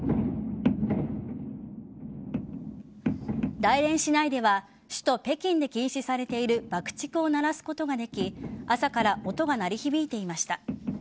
大連市内では首都・北京で禁止されている爆竹を鳴らすことができ朝から音が鳴り響いていました。